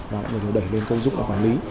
và đã được đẩy lên công dụng và quản lý